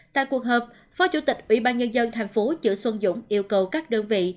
tại cuộc hợp phó chủ tịch ubnd tp trừ xuân dũng yêu cầu các đơn vị